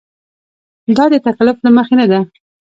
دا د تکلف له مخې نه ده.